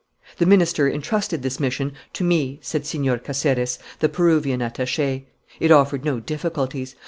"The minister entrusted this mission to me," said Señor Caceres, the Peruvian attaché. "It offered no difficulties.